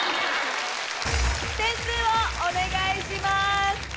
点数をお願いします。